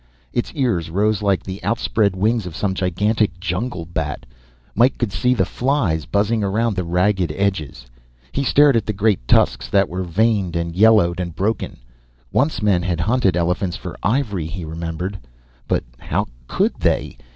Its ears rose like the outspread wings of some gigantic jungle bat. Mike could see the flies buzzing around the ragged edges. He stared at the great tusks that were veined and yellowed and broken once men had hunted elephants for ivory, he remembered. But how could they?